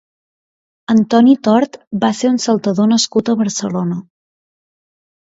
Antoni Tort va ser un saltador nascut a Barcelona.